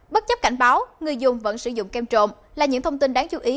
bất chấp cảnh báo người dùng vẫn sử dụng kem trộn là những thông tin đáng chú ý